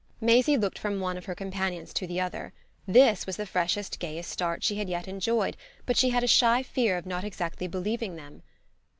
Maisie looked from one of her companions to the other; this was the freshest gayest start she had yet enjoyed, but she had a shy fear of not exactly believing them.